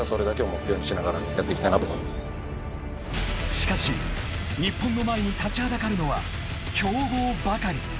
［しかし日本の前に立ちはだかるのは強豪ばかり］